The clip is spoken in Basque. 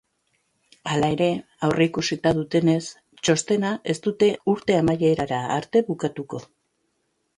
Hala ere, aurreikusita dutenez, txostena ez dute urte amaierara arte bukatuko.